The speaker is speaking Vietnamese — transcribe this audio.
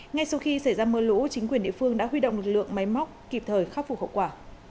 ngay sau khi xảy ra mưa lũ chính quyền địa phương đã huy động lực lượng máy móc kịp thời khắc phục hậu quả